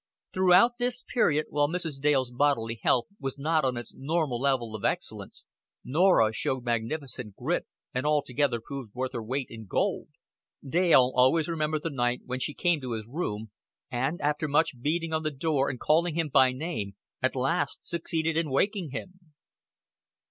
Throughout this period while Mrs. Dale's bodily health was not on its normal level of excellence, Norah showed magnificent grit and altogether proved worth her weight in gold. Dale always remembered the night when she came to his room, and, after much beating on the door and calling him by name, at last succeeded in waking him.